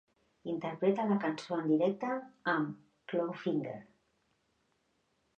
Interpreta la cançó en directe amb Clawfinger.